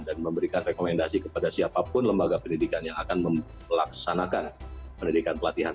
dan memberikan rekomendasi kepada siapapun lembaga pendidikan yang akan melaksanakan pendidikan pelatihan